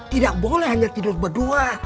tidak boleh hanya tidur berdua